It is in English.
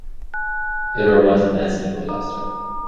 Edward wanted Nancy but lost her.